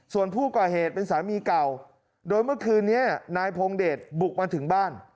ส่วนผู้ก่อเหตุเป็นสามีเก่าโดยเมื่อคืนนี้นายพงเดชบุกมาถึงบ้าน